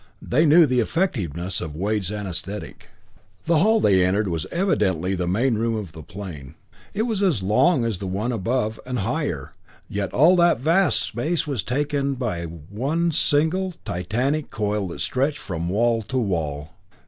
They knew the effectiveness of Wade's anesthetic. The hall they entered was evidently the main room of the plane. It was as long as the one above, and higher, yet all that vast space was taken by one single, titanic coil that stretched from wall to wall!